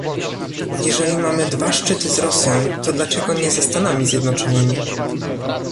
Jeżeli mamy dwa szczyty z Rosją, to dlaczego nie ze Stanami Zjednoczonymi?